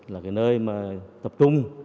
là cái nơi mà tập trung